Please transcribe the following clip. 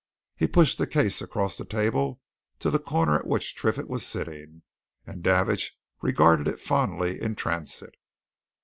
He pushed the case across the table to the corner at which Triffitt was sitting, and Davidge regarded it fondly in transit.